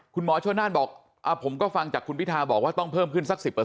คุณหมอชนนั่นบอกผมก็ฟังจากคุณพิทาบอกว่าต้องเพิ่มขึ้นสัก๑๐